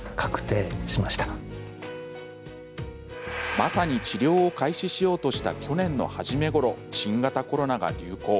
まさに治療を開始しようとした去年の初めごろ新型コロナが流行。